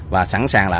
và sẵn sàng là